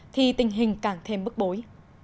thì tình hình càng thêm bức bối